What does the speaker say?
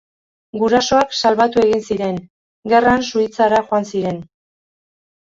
Gurasoak salbatu egin ziren; gerran Suitzara joan ziren.